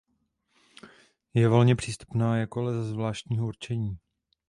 Je volně přístupná jako les zvláštního určení.